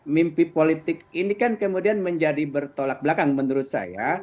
mimpi politik ini kan kemudian menjadi bertolak belakang menurut saya